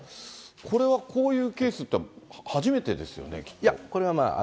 これはこういうケースって、初めてですよね、きっと。